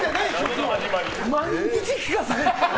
毎日聴かされた！